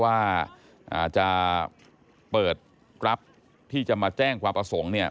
ว่าจะเปิดกราฟที่จะมาแจ้งความประสงค์เนี่ย